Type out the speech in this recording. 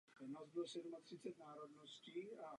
K udělení ceny je potřeba souhlasu všech šestnácti členů poroty.